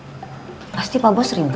soalnya setiap andin nerima bunga